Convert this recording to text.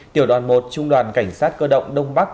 tiểu đoàn một trung đoàn cảnh sát cơ động đông bắc